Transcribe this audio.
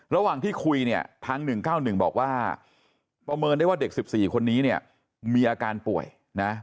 ระหว่างที่คุยเนี่ยทาง๑๙๑บอกว่าประเมินได้ว่าเด็ก๑๔คนนี้เนี่ยมีอาการป่วยนะ